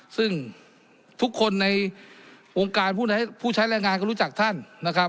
ซึ่งทุกคนในวงการผู้ใช้แรงงานก็รู้จักท่านนะครับ